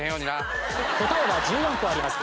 答えは１４個あります